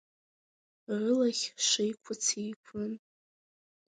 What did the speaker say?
Рылахь шеиқәыц еиқәын…